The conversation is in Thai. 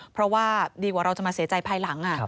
เพราะว่าดีกว่าเราจะมาเสียใจภายหลัง